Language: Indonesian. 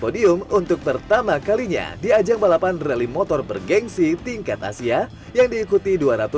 podium untuk pertama kalinya di ajang balapan rally motor bergensi tingkat asia yang diikuti